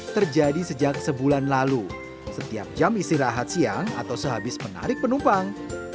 terjadi sejak sebulan lalu setiap jam istirahat siang atau sehabis menarik penumpang